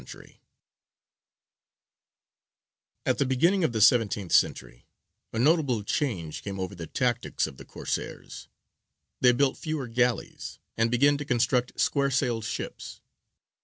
_)] At the beginning of the seventeenth century a notable change came over the tactics of the Corsairs: they built fewer galleys, and began to construct square sailed ships.